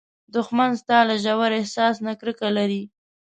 دښمن ستا له ژور احساس نه کرکه لري